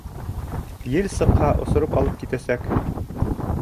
— Ел сыҡһа, осороп алып китәсәк.